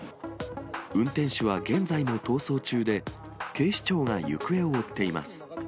運転手は現在も逃走中で、警視庁が行方を追っています。